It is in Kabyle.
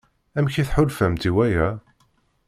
Amek i tḥulfamt i waya?